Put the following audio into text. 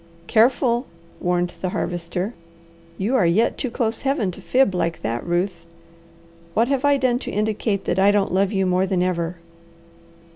"Careful!" warned the Harvester. "You are yet too close Heaven to fib like that, Ruth. What have I done to indicate that I don't love you more than ever?"